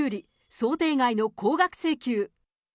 想定外の高額請求。